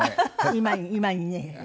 今に今にね